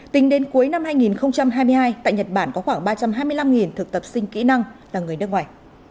tính đến cuối năm hai nghìn hai mươi hai tại nhật bản có khoảng ba trăm hai mươi năm thực tập sinh kỹ năng là người nước ngoài